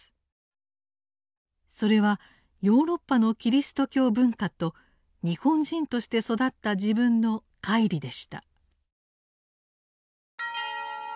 それはヨーロッパのキリスト教文化と日本人として育った自分の乖離でした。